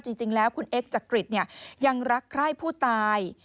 จริงแล้วคุณเอ็กจักริตยังรักใคร่ผู้ตาย